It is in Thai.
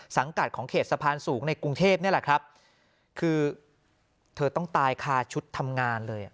สังกัดของเขตสะพานสูงในกรุงเทพนี่แหละครับคือเธอต้องตายคาชุดทำงานเลย